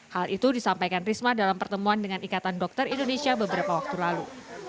hal itu disampaikan risma dalam pertemuan dengan ikatan dokter indonesia beberapa waktu lalu